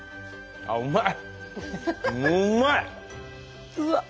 あっうまい。